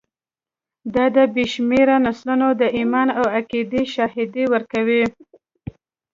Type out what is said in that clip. دا د بې شمېره نسلونو د ایمان او عقیدې شاهدي ورکوي.